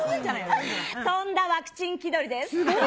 とんだワクチン気取りです。